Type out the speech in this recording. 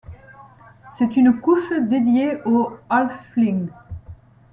C'est une couche dédiée aux halfling.